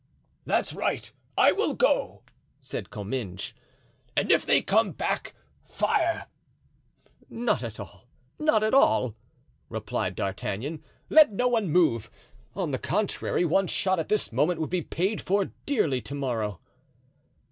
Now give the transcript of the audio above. "That's right. I will go," said Comminges; "and if they come back, fire!" "Not at all—not at all," replied D'Artagnan; "let no one move. On the contrary, one shot at this moment would be paid for dearly to morrow."